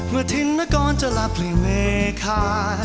เวคา